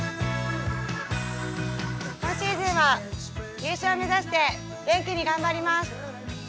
今シーズンは優勝目指して元気に頑張ります。